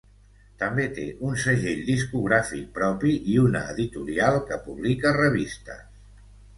També té un segell discogràfic propi i una editorial que publica revistes.